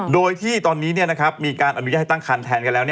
โดยที่ตอนนี้มีการอนุญาตให้ตั้งคันแทนกันแล้ว